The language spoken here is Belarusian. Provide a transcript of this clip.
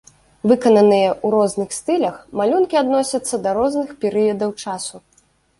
Выкананыя ў розных стылях, малюнкі адносяцца да розных перыядаў часу.